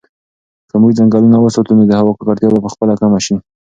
که موږ ځنګلونه وساتو نو د هوا ککړتیا به په خپله کمه شي.